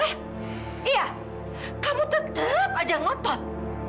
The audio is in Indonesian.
eh iya kamu tetep aja ngotot